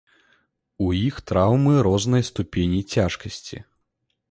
У іх траўмы рознай ступені цяжкасці.